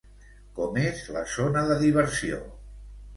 Com és la zona de diversió?